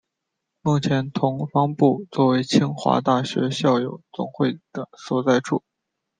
目前同方部作为清华大学校友总会的所在处。